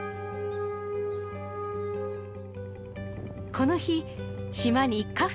この日島にカフェ